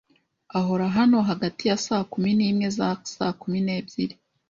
Ahora hano hagati ya saa kumi n'imwe na saa kumi n'ebyiri.